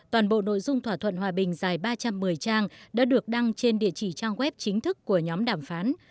toàn bộ nội dung thỏa thuận hòa bình dài ba trăm một mươi trang đã được đăng trên địa chỉ trang web chính thức của nhóm đàm phán